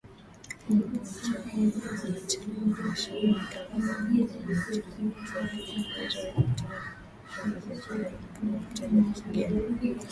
Ambapo nchi wanachama wanashindana kila mmoja kuwa mwenyeji wake, wakijiweka vizuri kupata kivutio cha uwekezaji mkubwa wa mtaji wa kigeni